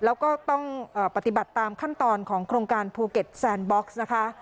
แล้วก็ต้องปฏิบัติตามขั้นตอนของโครงการภูเก็ตแซนบ็อกซ์นะคะ